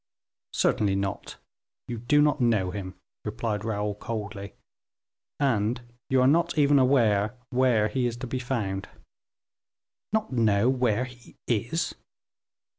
"Certainly not; you do not know him," replied Raoul, coldly, "and you are even not aware where he is to be found." "Not know where he is?"